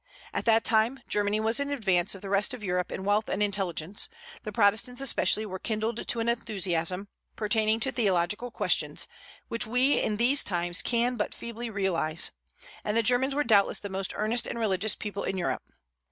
At that time Germany was in advance of the rest of Europe in wealth and intelligence; the Protestants especially were kindled to an enthusiasm, pertaining to theological questions, which we in these times can but feebly realize; and the Germans were doubtless the most earnest and religious people in Europe.